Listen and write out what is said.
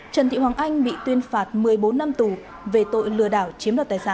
trần thị hoàng anh bị tuyên phạt một mươi bốn năm tù về tội lừa đảo chiếm đoạt tài sản